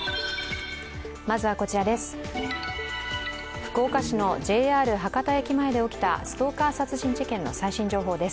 福岡市のＪＲ博多駅前で起きたストーカー殺人事件の最新情報です。